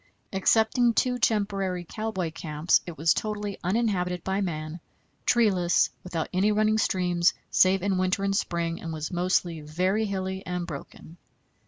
Excepting two temporary cowboy camps it was totally uninhabited by man, treeless, without any running streams, save in winter and spring, and was mostly very hilly and broken.